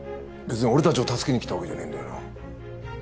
別に俺たちを助けに来たわけじゃねえんだよな？